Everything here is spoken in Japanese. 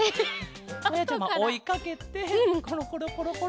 まやちゃまおいかけてコロコロコロコロ。